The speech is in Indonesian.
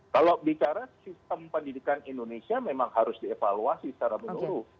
kalau bicara sistem pendidikan indonesia memang harus dievaluasi secara menyeluruh